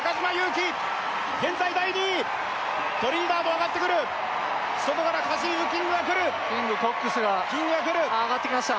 気現在第２位トリニダード上がってくる外からカシーフ・キングがくるキングコックスがああ上がってきました